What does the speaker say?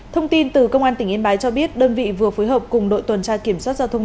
thông tin từ công an tỉnh yên bái cho biết đơn vị vừa phối hợp cùng đội tuần tra kiểm soát giao thông